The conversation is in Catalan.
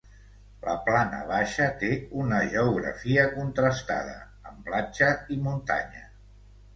La Plana Baixa té una geografia contrastada, amb platja i muntanya.